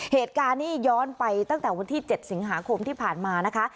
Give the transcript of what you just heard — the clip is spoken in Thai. เหตุการณ์นี้ย้อนไปตั้งแต่วันที่๗สิงหาคมที่ผ่านมานะคะ